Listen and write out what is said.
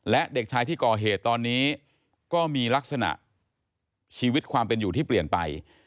และเด็กชายที่ก่อเหตุตอนนี้ก็มีลักษณะชีวิตความเป็นอยู่ที่เปลี่ยนไป